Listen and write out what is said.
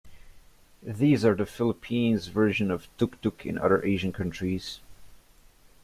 These are the Philippines' version of tuk-tuk in other Asian countries.